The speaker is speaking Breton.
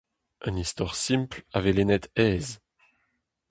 Un istor simpl, a vez lennet aes.